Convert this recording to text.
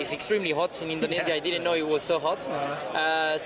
ini sangat panas di indonesia saya tidak tahu bahwa ini sangat panas